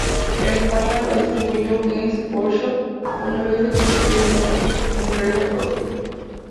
En España lo distribuyó Games Workshop una vez se constituyó como empresa propia.